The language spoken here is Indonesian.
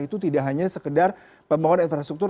itu tidak hanya sekedar pemohon infrastruktur